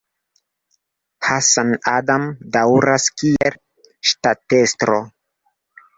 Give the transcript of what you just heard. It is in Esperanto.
Hans Adam daŭras kiel ŝtatestro.